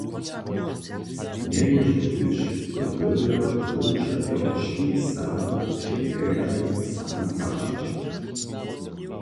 Njemóže być, zo dyrbja wowčerjo škit stadłow před wjelkami sami płaćić.